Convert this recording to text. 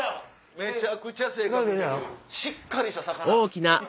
めちゃくちゃ性格出てるしっかりした魚。